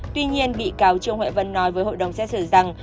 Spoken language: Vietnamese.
tuy nhiên bị cáo trương huệ vân nói với hội đồng xét xử rằng